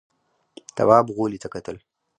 تواب غولي ته کتل….